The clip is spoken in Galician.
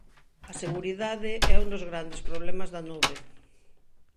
A seguridade é un dos grandes problemas da nube.